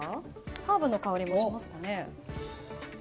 ハーブの香りもしますかね。